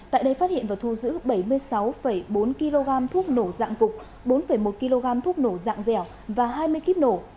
tại đây phát hiện và thu giữ bảy mươi sáu bốn kg thuốc nổ dạng cục bốn một kg thuốc nổ dạng dẻo và hai mươi kíp nổ